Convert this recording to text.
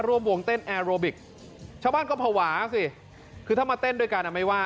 ร่วมวงเต้นแอร์โรบิกชาวบ้านก็ภาวะสิคือถ้ามาเต้นด้วยกันอ่ะไม่ว่า